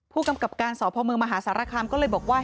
ผู้กำกับการสพเมืองมหาสารคามก็เลยบอกว่า